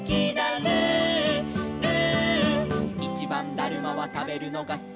「ルールー」「いちばんだるまはたべるのがすき」